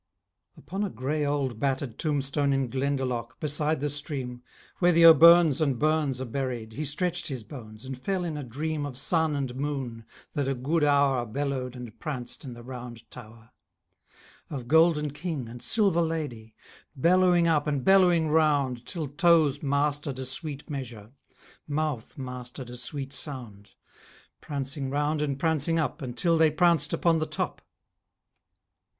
Upon a grey old battered tombstone In Glendalough beside the stream, Where the O'Byrnes and Byrnes are buried, He stretched his bones and fell in a dream Of sun and moon that a good hour Bellowed and pranced in the round tower; Of golden king and silver lady, Bellowing up and bellowing round, Till toes mastered a sweet measure, Mouth mastered a sweet sound, Prancing round and prancing up Until they pranced upon the top.